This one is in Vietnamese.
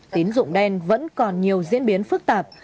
tín dụng đen vẫn còn nhiều diễn biến phức tạp